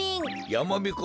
やまびこ